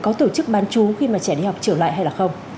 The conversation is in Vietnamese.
có tổ chức bán chú khi mà trẻ đi học trở lại hay là không